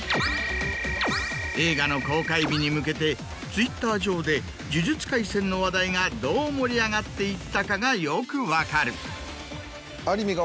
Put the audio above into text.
映画の公開日に向けてＴｗｉｔｔｅｒ上で『呪術廻戦』の話題がどう盛り上がっていったかがよく分かる。